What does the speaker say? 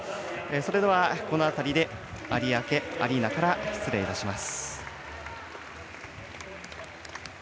それでは、この辺りで有明アリーナから失礼します。